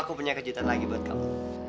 aku punya kejutan lagi buat kamu